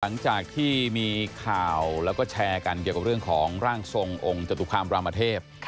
หลังจากที่มีข่าวแล้วก็แชร์กันเกี่ยวกับเรื่องของร่างทรงองค์จตุคามรามเทพ